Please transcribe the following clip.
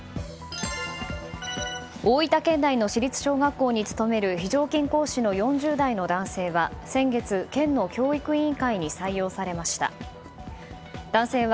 大分県内の市立小学校に勤める非常勤講師の４０代の男性は、先月県の教育委員会に採用されました。